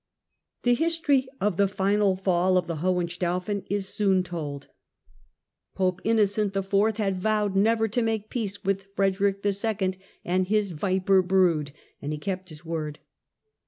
The history of the final fall of the Hohenstaufen is soon told. Pope Innocent IV. had vowed never to make peace with Frederick II. and his " viper brood," and he kept his word.